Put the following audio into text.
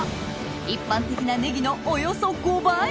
一般的なねぎのおよそ５倍！